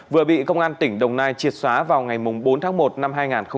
vừa bị công an tỉnh đồng nai triệt xóa vào ngày bốn tháng một năm hai nghìn hai mươi